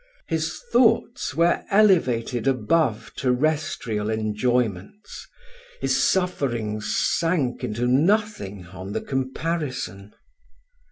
His thoughts were elevated above terrestrial enjoyments his sufferings sank into nothing on the comparison.